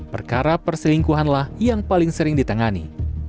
perkara perselingkuhanlah yang paling sering ditangani